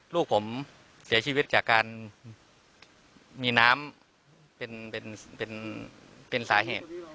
ลูกผมเสียชีวิตจากการมีน้ำเป็นสาเหตุ